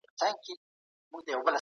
ایا افغان سوداګر تور ممیز ساتي؟